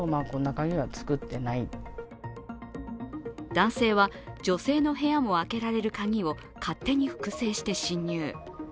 男性は女性の部屋も開けられる鍵を勝手に複製して侵入。